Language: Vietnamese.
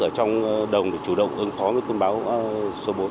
ở trong đồng để chủ động ứng phó với cơn bão số bốn